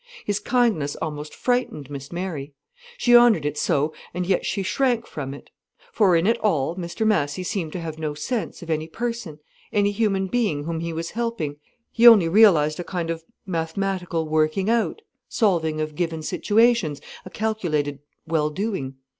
His kindness almost frightened Miss Mary. She honoured it so, and yet she shrank from it. For, in it all Mr Massy seemed to have no sense of any person, any human being whom he was helping: he only realized a kind of mathematical working out, solving of given situations, a calculated well doing.